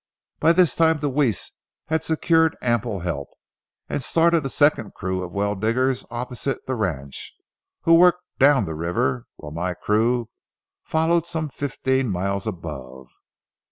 By this time Deweese had secured ample help, and started a second crew of well diggers opposite the ranch, who worked down the river while my crew followed some fifteen miles above.